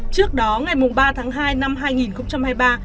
trước đó ngày ba tháng hai năm hai nghìn hai mươi ba